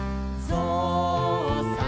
ぞうさん